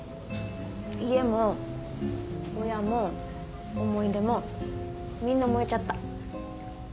家も親も思い出もみんな燃えちゃった。